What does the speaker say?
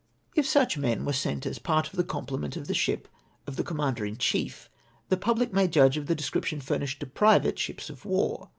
If such men were sent as part of the complement of the ship of the commander in chief, the public may judge of the description furnished to private ships of war.